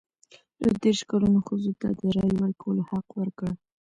دوه دیرش کلنو ښځو ته د رایې ورکولو حق ورکړ.